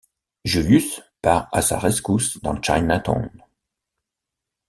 Julius par à sa rescousse dans Chinatown.